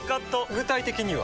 具体的には？